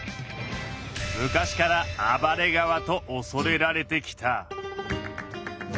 昔から「暴れ川」とおそれられてきた。